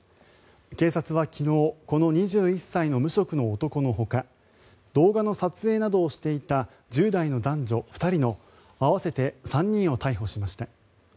警察は昨日この２１歳の無職の男のほか動画の撮影などをしていた１０代の男女２人の合わせて３人を逮捕しました。